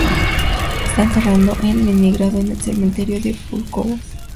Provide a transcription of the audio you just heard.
Está enterrado en Leningrado, en el cementerio de Púlkovo.